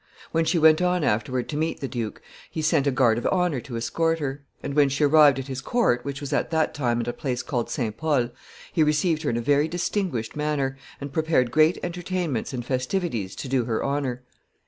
When she went on afterward to meet the duke, he sent a guard of honor to escort her, and when she arrived at his court, which was at that time at a place called St. Pol, he received her in a very distinguished manner, and prepared great entertainments and festivities to do her honor.